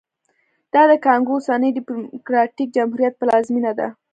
دا د کانګو اوسني ډیموکراټیک جمهوریت پلازمېنه ده